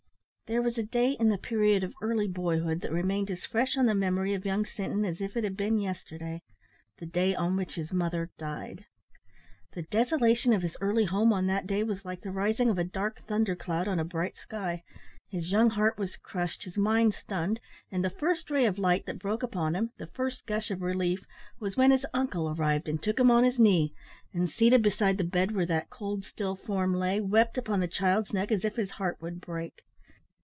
There was a day in the period of early boyhood that remained as fresh on the memory of young Sinton as if it had been yesterday the day on which his mother died. The desolation of his early home on that day was like the rising of a dark thunder cloud on a bright sky. His young heart was crushed, his mind stunned, and the first ray of light that broke upon him the first gush of relief was when his uncle arrived and took him on his knee, and, seated beside the bed where that cold, still form lay, wept upon the child's neck as if his heart would break.